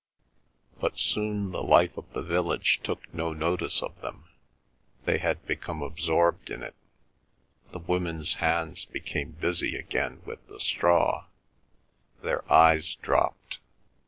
But soon the life of the village took no notice of them; they had become absorbed in it. The women's hands became busy again with the straw; their eyes dropped.